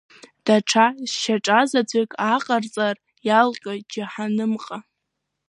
Даҽа шьаҿазаҵәык ааҟарҵар, иалҟьоит џьаҳанымҟа.